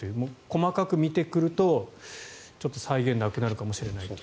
細かく見てくると際限がなくなるかもしれないと。